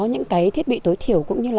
những thiết bị tối thiểu cũng như